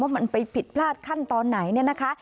มันไปผิดพลาดขั้นตอนไหนเนี่ยนะคะ